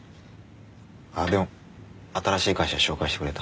あでも新しい会社紹介してくれた。